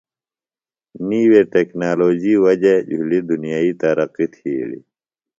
نیوی ٹیکنالوجی وجہ جُھلیۡ دنیئی ترقیۡ تِھیلیۡ۔